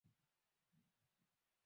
Mguso wako, ni baraka kwangu.